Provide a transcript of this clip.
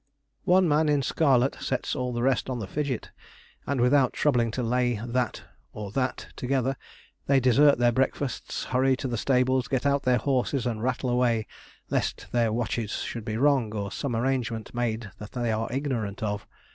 One man in scarlet sets all the rest on the fidget, and without troubling to lay 'that or that' together, they desert their breakfasts, hurry to the stables, get out their horses and rattle away, lest their watches should be wrong or some arrangement made that they are ignorant of.